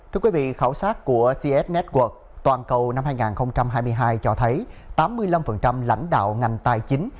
thưa quý vị khảo sát của csut toàn cầu năm hai nghìn hai mươi hai cho thấy tám mươi năm lãnh đạo ngành tài chính